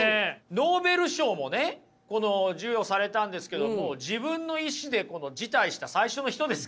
ノーベル賞もね授与されたんですけども自分の意思で辞退した最初の人ですから。